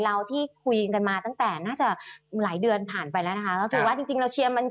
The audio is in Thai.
เราที่คุยกันมาตั้งแต่น่าจะหลายเดือนผ่านไปแล้วนะคะ